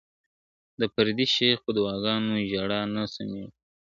د پردي شیخ په دعاګانو ژړا نه سمیږو ,